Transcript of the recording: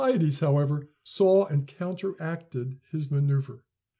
] Miltiades, however, saw and counteracted his manoeuvre.